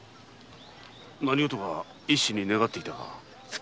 何事か一心に願っていたが？